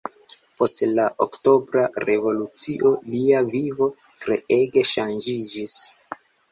Post la Oktobra Revolucio, lia vivo treege ŝanĝiĝis.